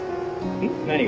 ん？何が？